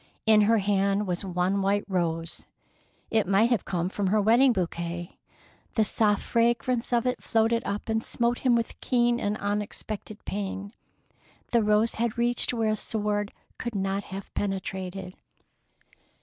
In her hand was one white rose. It might have come from her wedding bouquet. The soft fragrance of it floated up and smote him with keen and unexpected pain. The rose had reached where a sword could not have penetrated.